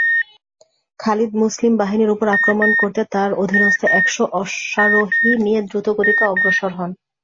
খালিদ মুসলিম বাহিনীর উপর আক্রমণ করতে তার অধীনস্থ একশ অশ্বারোহী নিয়ে দ্রুতগতিতে অগ্রসর হন।